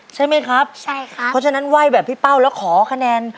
ใช่ไหมครับใช่ครับเพราะฉะนั้นไหว้แบบพี่เป้าแล้วขอคะแนน